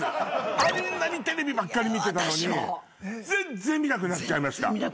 あんなにテレビばっかり見てたのに全然見なくなっちゃいました。